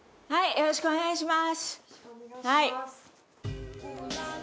よろしくお願いします。